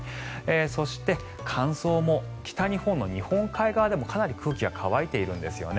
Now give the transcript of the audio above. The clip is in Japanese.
そして乾燥も北日本の日本海側でもかなり空気が乾いているんですよね。